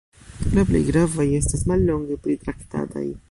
La plej gravaj estas mallonge pritraktataj.